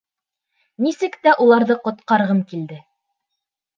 Нисек тә уларҙы ҡотҡарғым килде.